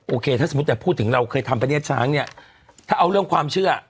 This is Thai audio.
โอเคถ้าสมมติแบบพูดถึงเราเคยทำพะเนียดช้างเนี้ยถ้าเอาเรื่องความเชื่อ